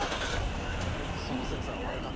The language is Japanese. その節は悪かったね。